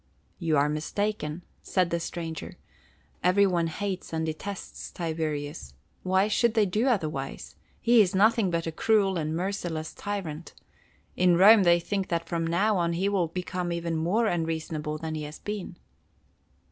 "You are mistaken," said the stranger. "Every one hates and detests Tiberius. Why should they do otherwise? He is nothing but a cruel and merciless tyrant. In Rome they think that from now on he will become even more unreasonable than he has been."